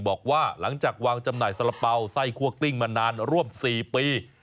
บอกว่าหลังจากวางจำหน่ายสาระเป๋าไส้คั่วกลิ้งมานานร่วม๔ปี